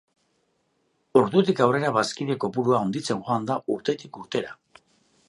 Ordutik aurrera bazkide kopurua handitzen joan da urterik urtera.